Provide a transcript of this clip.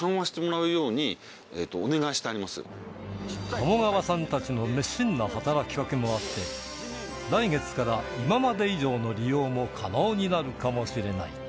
鴨川さんたちの熱心な働きかけもあって来月から今まで以上の利用も可能になるかもしれない